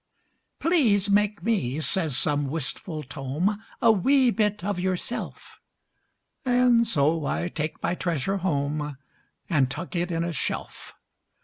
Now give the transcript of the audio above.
"Please make me," says some wistful tome, "A wee bit of yourself." And so I take my treasure home, And tuck it in a shelf.